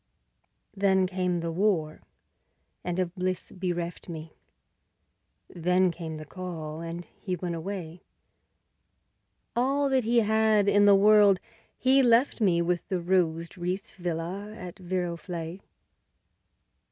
Then came the War, and of bliss bereft me; Then came the call, and he went away; All that he had in the world he left me, With the rose wreathed villa at Viroflay.